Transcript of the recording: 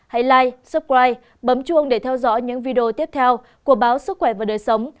hãy like subscribe bấm chuông để theo dõi những video tiếp theo của báo sức khỏe và đời sống